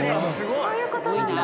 そういうことなんだ。